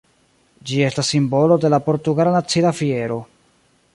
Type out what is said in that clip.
Ĝi estas simbolo de la portugala nacia fiero.